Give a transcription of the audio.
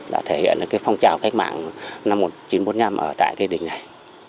đã thể hiện cái phong trào cách mạng năm một nghìn chín trăm bốn mươi năm ở tại cái đỉnh này